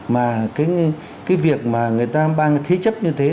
mà cái việc mà người ta mang cái thế chấp như thế